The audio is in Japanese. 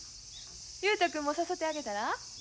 雄太君も誘ってあげたら？